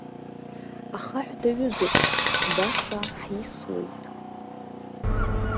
Ахаҳә даҩызоуп, баша ҳисуеит!